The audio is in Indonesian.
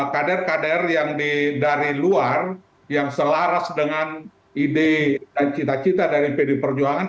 kader kader yang dari luar yang selaras dengan ide dan cita cita dari pd perjuangan